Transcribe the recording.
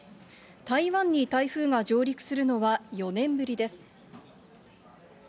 台湾に台風が上陸するのは４年ぶりです。